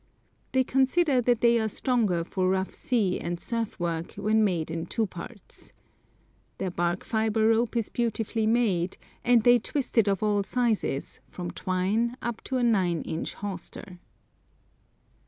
They consider that they are stronger for rough sea and surf work when made in two parts. Their bark fibre rope is beautifully made, and they twist it of all sizes, from twine up to a nine inch hawser.